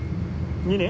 ２年？